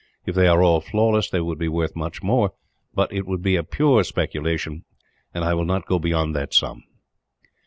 If they are all flawless, they would be worth much more; but it would be a pure speculation, and I will not go beyond that sum."